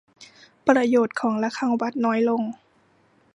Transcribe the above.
ประโยชน์ของระฆังวัดน้อยลง